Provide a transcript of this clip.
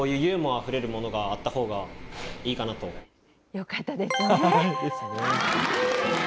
よかったですね。